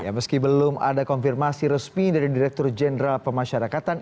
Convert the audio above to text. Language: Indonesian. ya meski belum ada konfirmasi resmi dari direktur jenderal pemasyarakatan